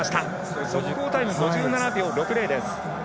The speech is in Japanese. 速報タイムは５７秒６０です。